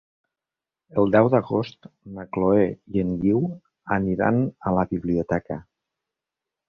El deu d'agost na Chloé i en Guiu aniran a la biblioteca.